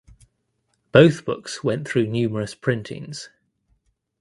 Both books went through numerous printings.